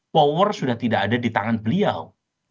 power sudah tidak ada di tangan beliau